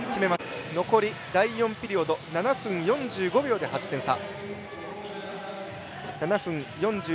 残り第４ピリオド７分５４秒で８点差。